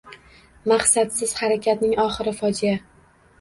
Maqsadsiz harakatning oxiri – fojea …